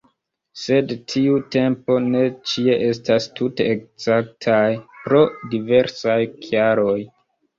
Sed tiu tempo ne ĉie estas tute ekzaktaj pro diversaj kialoj.